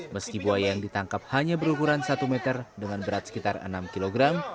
meski buaya yang ditangkap hanya berukuran satu meter dengan berat sekitar enam kg